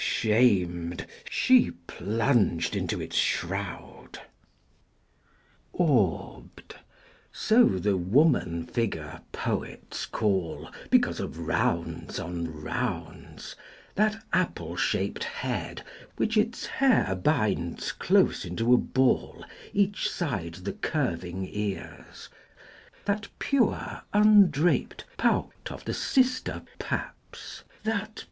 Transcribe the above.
Shamed she plunged into its shroud. Orbed so the woman figure poets call Because of rounds on rounds that apple shaped Head which its hair binds close into a ball Each side the curving ears that pure undraped Pout of the sister paps that